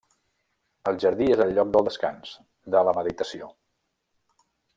El jardí és el lloc del descans, de la meditació.